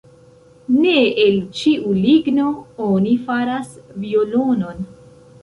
Ne el ĉiu ligno oni faras violonon.